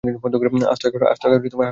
আস্ত এক হারামজাদা তুমি!